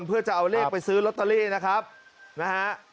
เพื่อจะเอาเลขไปซื้อลอตเตอรี่นะครับนะฮะ